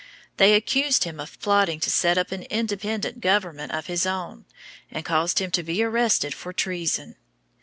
They accused him of plotting to set up an independent government of his own, and caused him to be arrested for treason.